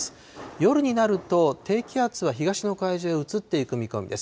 夜になると低気圧は東の海上へ移っていく見込みです。